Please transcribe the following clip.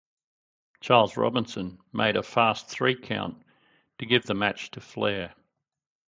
Charles Robinson made a fast three count to give the match to Flair.